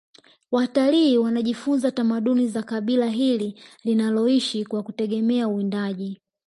watalii wanajifunza tamaduni za kabila hili linaloishi kwa kutegemea uwindaji